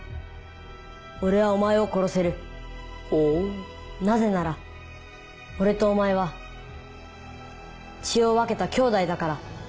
俺はお前を殺せるほうなぜなら俺とお前は血を分けた兄弟だから